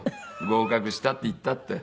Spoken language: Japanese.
合格したっていったって。